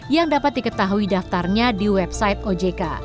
yang dapat diketahui daftarnya di website ojk